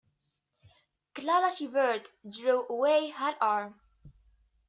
Clara shivered, drew away her arm.